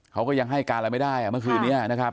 เขาก็ยังให้การอะไรไม่ได้เมื่อคืนนี้นะครับ